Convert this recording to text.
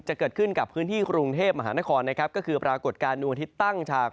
เกิดขึ้นกับพื้นที่กรุงเทพมหานครนะครับก็คือปรากฏการณ์ดวงอาทิตย์ตั้งฉาก